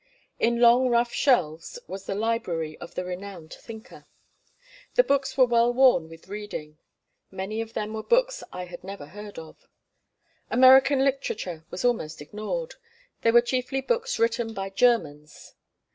In long rough shelves was the library of the renowned thinker. The books were well worn with reading. Many of them were books I never heard of. American literature was almost ignored; they were chiefly books written by Germans.